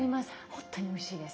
ほんとにおいしいです。